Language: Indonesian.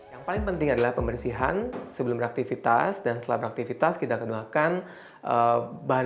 yang paling penting adalah pembersihan sebelum beraktivitas dan setelah beraktivitas kita keduakan bahan